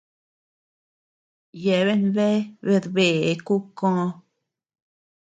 Yeabean bea bedbêe Kukoo.